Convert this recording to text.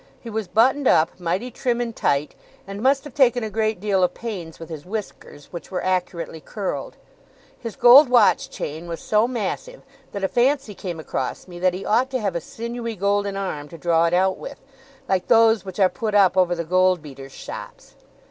He was buttoned up, mighty trim and tight, and must have taken a great deal of pains with his whiskers, which were accurately curled. His gold watch chain was so massive, that a fancy came across me, that he ought to have a sinewy golden arm, to draw it out with, like those which are put up over the goldbeaters' shops.